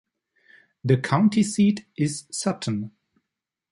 The county seat is Sutton.